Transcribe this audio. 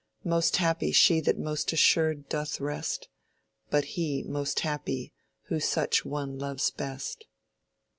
Most happy she that most assured doth rest, But he most happy who such one loves best.